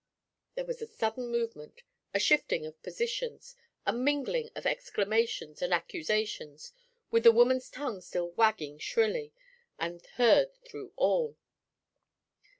There was a sudden movement, a shifting of positions, a mingling of exclamations and accusations, with the woman's tongue still wagging shrilly, and heard through all.